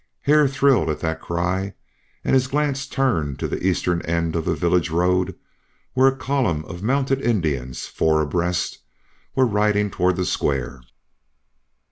Hare thrilled at that cry and his glance turned to the eastern end of the village road where a column of mounted Indians, four abreast, was riding toward the square.